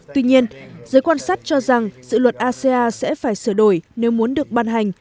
tuy nhiên giới quan sát cho rằng dự luật aca sẽ phải sửa đổi nếu muốn được ban hành